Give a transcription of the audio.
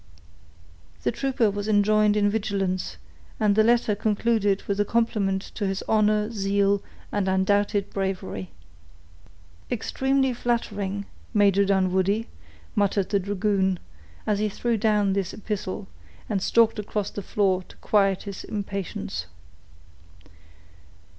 The trooper was enjoined to vigilance, and the letter concluded with a compliment to his honor, zeal, and undoubted bravery. "Extremely flattering, Major Dunwoodie," muttered the dragoon, as he threw down this epistle, and stalked across the floor to quiet his impatience.